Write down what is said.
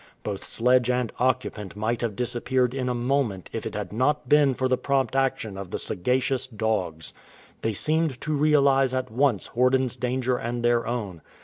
Both sledge and occupant might have disappeared in a moment if it had not been for the prompt action of the sagacious dogs. They seemed to realize at once Horden's danger and their own.